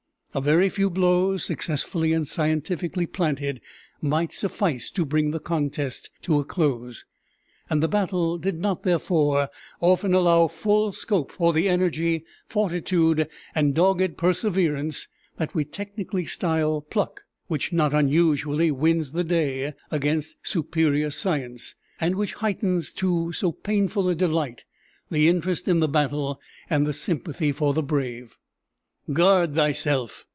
A very few blows, successfully and scientifically planted, might suffice to bring the contest to a close; and the battle did not, therefore, often allow full scope for the energy, fortitude, and dogged perseverance that we technically style pluck, which not unusually wins the day against superior science, and which heightens to so painful a delight the interest in the battle and the sympathy for the brave. "Guard thyself!"